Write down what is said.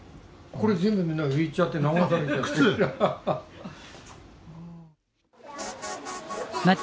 これ全部、みんな浮いちゃって、流されちゃった。